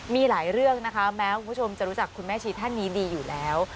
มีหลายเรื่องนะคะแม้คุณผู้ชมจะรู้จักคุณแม่ชีท่านนี้ดีอยู่แล้ว